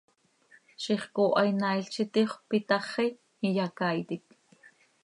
Ziix cooha inaail z itixöp itaxi, iyacaaitic.